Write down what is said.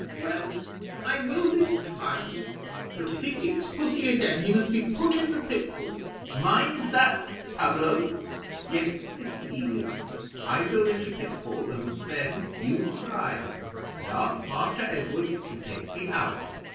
"Well, I will this time; but if he kicks pussy again he must be put in the pitfall mind that, Pablo." "Yes, Missy Edith, I go into pitfall, and then you cry, and ask Master Edward to take me out.